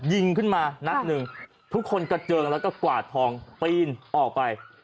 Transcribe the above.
ยิงขึ้นมานัดหนึ่งทุกคนกระเจิงแล้วก็กวาดทองปีนออกไป